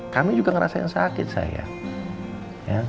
kami juga ngerasain sakit saya